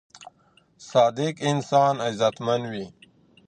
صادق انسان عزتمن وي.